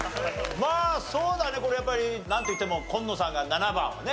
まあそうだねこれやっぱりなんといっても紺野さんが７番をね